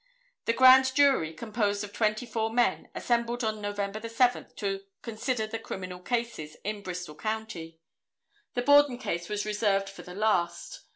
The grand jury, composed of twenty four men, assembled on November 7th to consider the criminal cases in Bristol county. The Borden case was reserved for the last.